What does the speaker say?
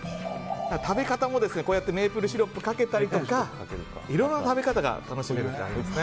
食べ方もこうやってメープルシロップをかけたりとかいろんな食べ方が楽しめるんです。